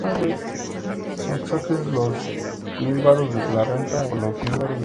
Las bases piloto incluyen Kelowna, Hamilton y Vancouver.